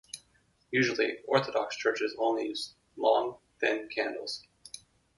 Usually Orthodox churches only use long, thin candles.